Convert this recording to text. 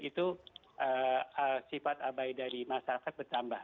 itu sifat abai dari masyarakat bertambah